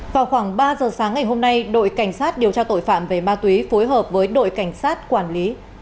vào khoảng ba giờ sáng ngày hôm nay đội cảnh sát điều tra tội phạm về ma túy phối hợp với đội cảnh sát quản lý